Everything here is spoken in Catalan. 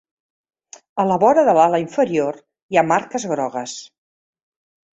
A la vora de l'ala inferior hi ha marques grogues.